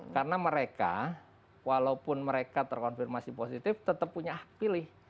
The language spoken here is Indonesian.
karena mereka walaupun mereka terkonfirmasi positif tetap punya pilih